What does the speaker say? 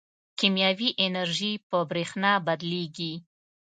کیمیاوي انرژي په برېښنا بدلېږي.